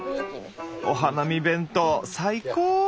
お花見弁当最高！